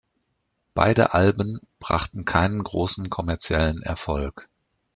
Beide Alben brachten keinen großen kommerziellen Erfolg.